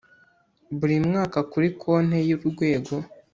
buri mwaka kuri konte y' urwego